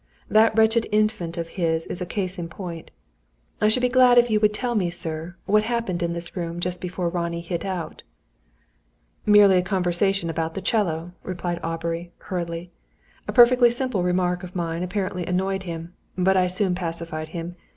That wretched Infant of his is a case in point. I should be glad if you would tell me, sir, what happened in this room just before Ronnie hit out." "Merely a conversation about the 'cello," replied Aubrey, hurriedly. "A perfectly simple remark of mine apparently annoyed him. But I soon pacified him.